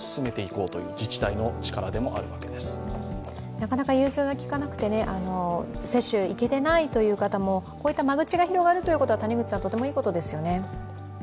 なかなか融通が利かなくて、接種に行けていない方も、こうやって間口が広がることはとてもいいことですよね？